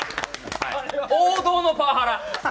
王道のパワハラ。